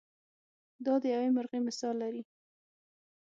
دا د یوې مرغۍ مثال لري.